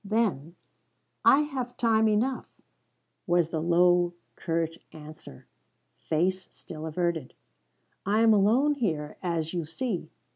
Then, "I have time enough," was the low, curt answer, face still averted. "I am alone here, as you see.